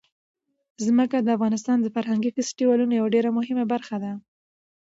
ځمکه د افغانستان د فرهنګي فستیوالونو یوه ډېره مهمه برخه ده.